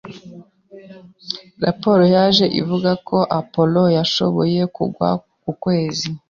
Raporo yaje ivuga ko Apollo yashoboye kugwa ku kwezi.